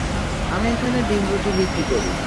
আমি এখানে ডিম রুটি বিক্রি করি।